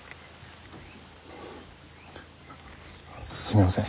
すみません。